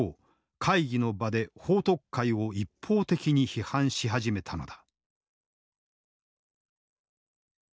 会議の場で彭徳懐を一方的に批判し始めたのだ。